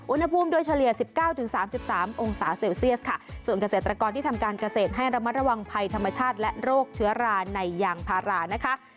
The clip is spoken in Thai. อุณหภูมิโดยเฉลี่ย๑๙๓๓องศาเซลเซียสค่ะส่วนเกษตรกรที่ทำการเกษตรให้ระมัดระวังภัยธรรมชาติและโรคเชื้อราในยางพารานะคะ